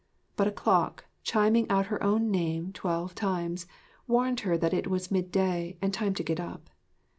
But a clock, chiming out her own name twelve times, warned her that it was midday and time to get up.